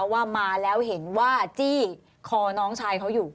ว่ามาแล้วเห็นว่าจี้คอน้องชายเขาอยู่